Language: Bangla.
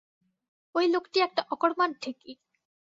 ওই লোকটি একটা অকর্মার ঢেঁকি!